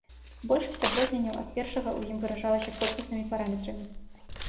Большасць адрозненняў ад першага ў ім выражалася колькаснымі параметрамі.